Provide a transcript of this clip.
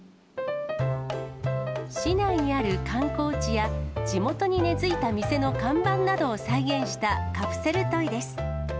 市内にある観光地や、地元に根付いた店の看板などを再現したカプセルトイです。